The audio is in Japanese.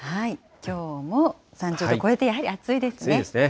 きょうも３０度超えて、やは暑いですね。